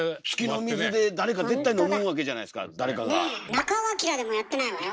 中尾彬でもやってないわよ。